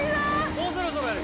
もうそろそろやろ？